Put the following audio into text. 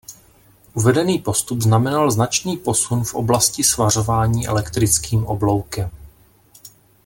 Uvedený postup znamenal značný posun v oblasti svařování elektrickým obloukem.